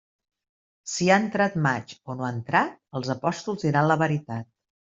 Si ha entrat maig o no ha entrat, els apòstols diran la veritat.